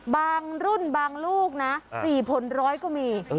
บางรุ่นบางลูกนะ๔ผลร้อยก็มี